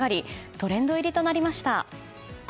トレンド入りとなりました。